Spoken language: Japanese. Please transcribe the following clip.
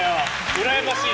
うらやましい。